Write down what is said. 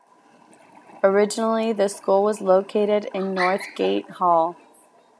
Originally, the school was located in North Gate Hall.